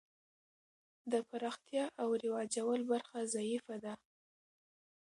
د پراختیا او رواجول برخه ضعیفه ده.